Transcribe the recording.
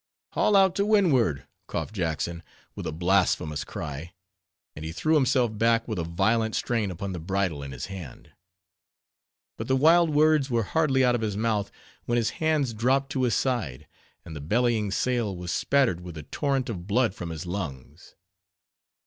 "Haul out to windward!" coughed Jackson, with a blasphemous cry, and he threw himself back with a violent strain upon the bridle in his hand. But the wild words were hardly out of his mouth, when his hands dropped to his side, and the bellying sail was spattered with a torrent of blood from his lungs.